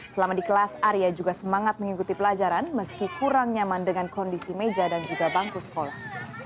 selama di kelas arya juga semangat mengikuti pelajaran meski kurang nyaman dengan kondisi meja dan juga bangku sekolah